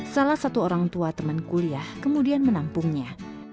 salah satu orang tua teman kuliah kemudian menampungnya